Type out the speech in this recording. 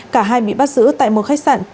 cả hai bị bắt giữ tại một khách sạn